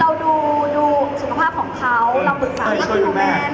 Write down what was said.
เราดูสุขภาพของเขาแทรกต์มัดผิวแม่